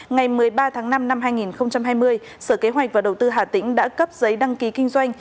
ngày một mươi ba tháng năm năm hai nghìn hai mươi sở kế hoạch và đầu tư hà tĩnh đã cấp giấy đăng ký kinh doanh